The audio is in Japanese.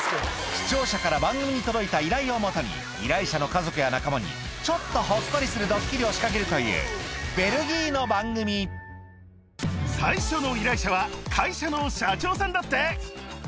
視聴者から番組に届いた依頼をもとに依頼者の家族や仲間にちょっとほっこりするドッキリを仕掛けるというベルギーの番組彼女が。